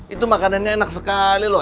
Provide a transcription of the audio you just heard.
itu makanannya enak sekali loh